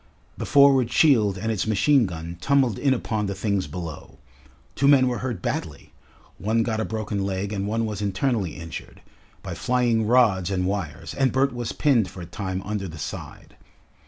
The forward shield and its machine gun tumbled in upon the things below. Two men were hurt badly one got a broken leg and one was internally injured by flying rods and wires, and Bert was pinned for a time under the side.